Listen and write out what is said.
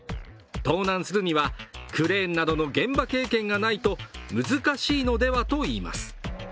盗難するにはクレーンなどの現場経験がないと難しいのではといいます。